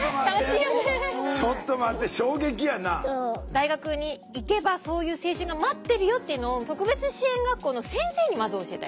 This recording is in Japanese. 大学に行けばそういう青春が待ってるよっていうのを特別支援学校の先生にまず教えたい。